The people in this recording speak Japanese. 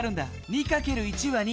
２かける１は２。